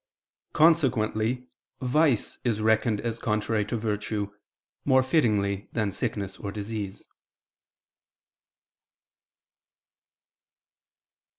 Consequently vice is reckoned as contrary to virtue, more fittingly than sickness or disease.